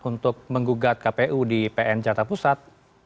untuk menggugat kpu di pn jakarta pusat